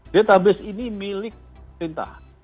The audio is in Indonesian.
database ini milik pemerintah